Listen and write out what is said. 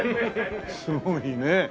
すごいね。